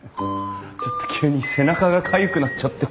ちょっと急に背中がかゆくなっちゃって。